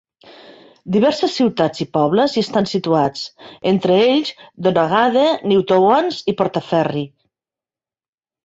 Diverses ciutats i pobles hi estan situats, entre ells Donaghadee, Newtownards i Portaferry.